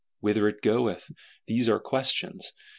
Whither it goeth? These are questions!